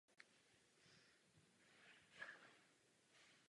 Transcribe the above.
Budova slouží jako sídlo pro firmu First National of Nebraska.